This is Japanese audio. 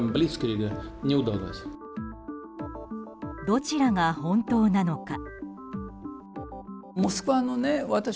どちらが本当なのか。